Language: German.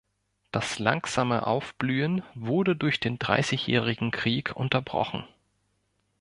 Das langsame Aufblühen wurde durch den Dreißigjährigen Krieg unterbrochen.